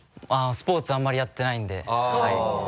スポーツあんまりやってないんで。